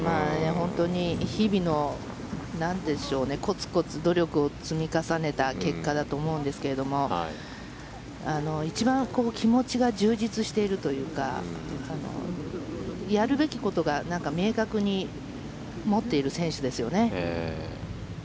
本当に日々のコツコツ努力を積み重ねた結果だと思うんですが一番気持ちが充実しているというかやるべきことを明確に持っている選手ですよね。